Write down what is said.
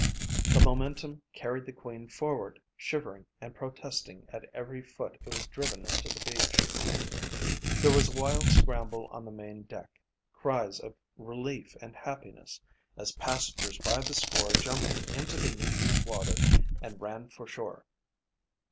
The momentum carried the Queen forward, shivering and protesting at every foot it was driven into the beach. There was a wild scramble on the main deck, cries of relief and happiness as passengers by the score jumped into the knee deep water and ran for shore.